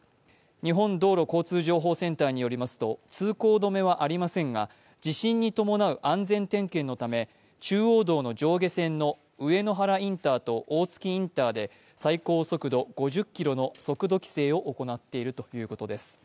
日本道路交通情報センターによりますと通行止めはありませんが、地震に伴う安全点検のため中央道の上下線の上野原インターと大月インターで最高速度５０キロの速度規制を行っているということです。